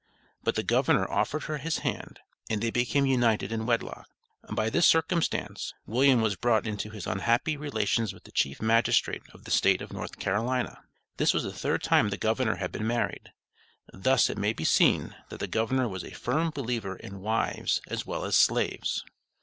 But the governor offered her his hand, and they became united in wedlock. By this circumstance, William was brought into his unhappy relations with the Chief Magistrate of the State of North Carolina. This was the third time the governor had been married. Thus it may be seen, that the governor was a firm believer in wives as well as slaves.